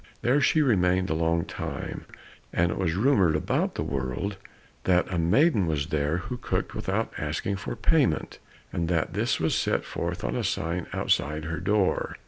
There she remained a long time, and it was rumored about the world that a maiden was there who cooked without asking for payment, and that this was set forth on a sign outside her door.